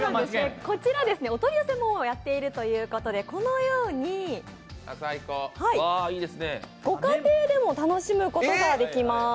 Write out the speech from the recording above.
こちらお取り寄せもやっているということでこのように、ご家庭でも楽しむことができます。